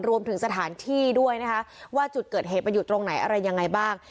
รวมถึงสถานที่ด้วยนะคะว่าจุดเกิดเหตุมันอยู่ตรงไหนอะไรยังไงบ้าง